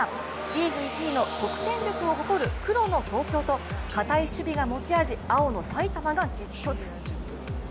リーグ１位の得点力を誇る黒の東京と堅い守備が持ち味青の埼玉が激突。